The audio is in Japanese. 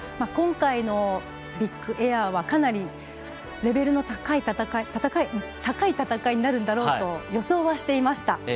今回のビッグエアはかなりレベルの高い戦いになるんだろうと予想はしていました。